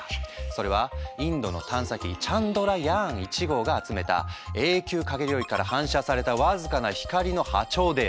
それはインドの探査機「チャンドラヤーン１号」が集めた永久影領域から反射された僅かな光の波長データ。